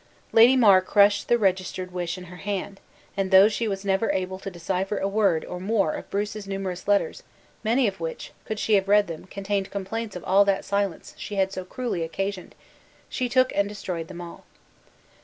Lady Mar crushed the registered wish in her hand; and though she was never able to decipher a word or more of Bruce's numerous letters (many of which, could she have read them, contained complaints of that silence she had so cruelly occasioned), she took and destroyed them all.